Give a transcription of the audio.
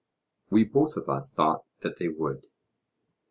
We both of us thought that they would.